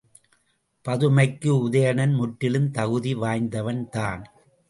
பதுமைக்கு உதயணன் முற்றிலும் தகுதி வாய்ந்தவன்தான்.